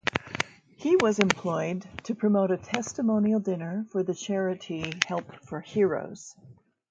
He was employed to promote a testimonial dinner for the charity Help for Heroes.